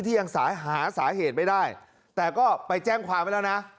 ยังหาสาเหตุไม่ได้แต่ก็ไปแจ้งความไว้แล้วนะ